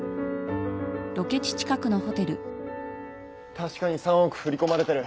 確かに３億振り込まれてる。